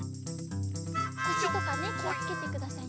こしとかねきをつけてくださいね。